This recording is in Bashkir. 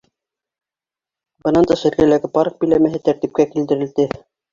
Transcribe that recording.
Бынан тыш, эргәләге парк биләмәһе тәртипкә килтерелде.